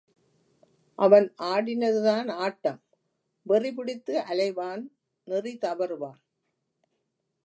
அவன் ஆடினதுதான் ஆட்டம் வெறிபிடித்து அலைவான் நெறி தவறுவான்.